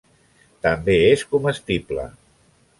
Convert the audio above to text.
També és comestible.